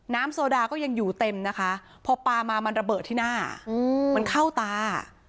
โซดาก็ยังอยู่เต็มนะคะพอปลามามันระเบิดที่หน้ามันเข้าตา